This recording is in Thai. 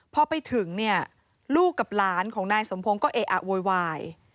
พอไปถึงเนี่ยลูกกับหลานของนายสมพงศ์ก็เออะโวยวาย